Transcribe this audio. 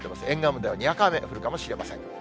沿岸部ではにわか雨、降るかもしれません。